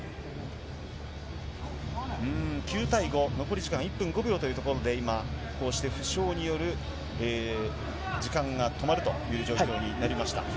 ９対５、残り時間は１分５秒というところで、今、こうして負傷による、時間が止まるという状況になりました。